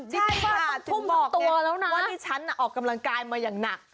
ใช่ค่ะถึงบอกเนี่ยว่าดิฉันออกกำลังกายมาอย่างหนัก